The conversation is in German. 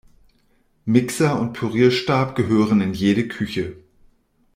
Mixer und Pürierstab gehören in jede Küche.